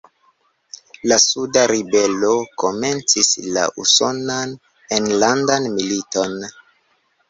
La suda ribelo komencis la Usonan Enlandan Militon.